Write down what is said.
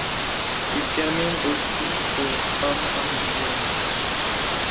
Il termine aussi au homme individuel.